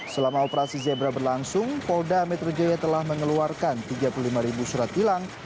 selama operasi zebra berlangsung polda metro jaya telah mengeluarkan tiga puluh lima surat tilang